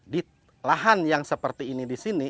di lahan yang seperti ini di sini